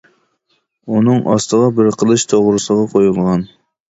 ئۇنىڭ ئاستىغا بىر قىلىچ توغرىسىغا قويۇلغان.